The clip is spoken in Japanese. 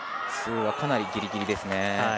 ツーはかなりギリギリですね。